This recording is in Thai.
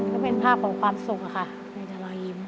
ก็เป็นภาพของความสุขค่ะ